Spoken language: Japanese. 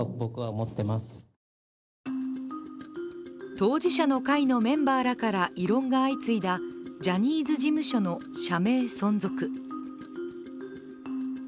当事者の会のメンバーらから異論が相次いだジャニーズ事務所の社名存続。